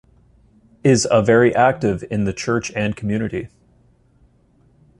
Is a very active in the church and community.